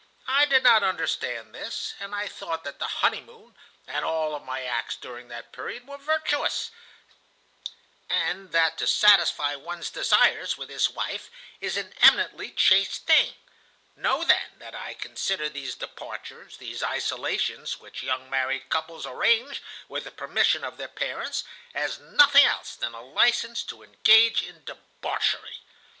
I did not understand this, and I thought that the honeymoon and all of my acts during that period were virtuous, and that to satisfy one's desires with his wife is an eminently chaste thing. Know, then, that I consider these departures, these isolations, which young married couples arrange with the permission of their parents, as nothing else than a license to engage in debauchery.